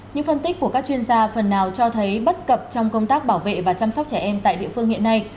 những phân tích của các chuyên gia phần nào cho thấy bất cập trong công tác bảo vệ và chăm sóc trẻ em tại địa phương hiện nay